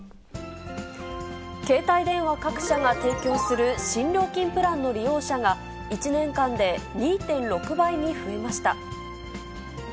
携帯電話各社が提供する新料金プランの利用者が、１年間で２．６倍に増えました。